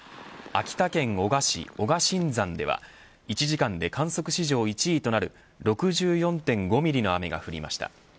秋田県男鹿市男鹿真山では１時間で観測史上１位となる６４．５ミリの雨が降りました。